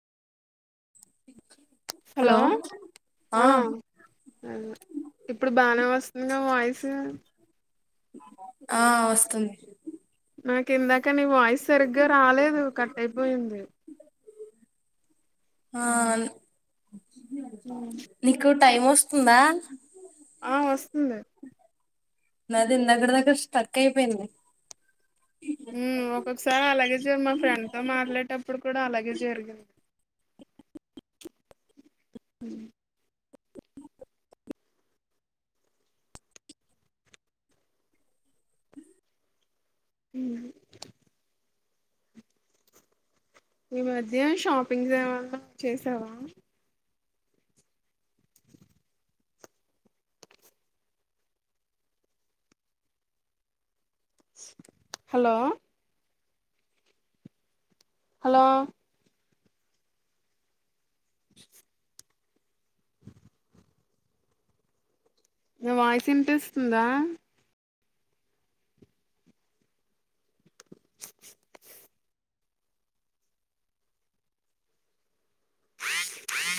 hello ఆ ఇప్పుడు బానే వస్తుందిగా వాయిస్ ఆ వస్తుంది నాకు ఇందాక నీ వాయిస్ సరిగ్గా రాలేదు కట్ అయిపోయింది ఆ నీకుట్ టైం వస్తుందా ఆ వస్తుంది నాదీ ఇందాకటఅక్కడ స్ట్రక్ అయిపోయింది ఒక్కొక్కసారి అలాగే జ మా ఫ్రెండ్ తో మాట్లాడేటప్పుడు కూడా అలాగే జరిగింది ఉ ఊ ఈ మధ్య షాపింగ్స్ ఏమనా చేసావా హలో హలో నా వాయిస్ ఇన్పిస్తుందా